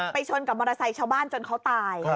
ชนกับมอเตอร์ไซค์ชาวบ้านจนเขาตาย